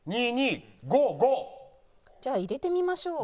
じゃあ入れてみましょう。